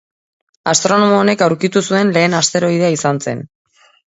Astronomo honek aurkitu zuen lehen asteroidea izan zen.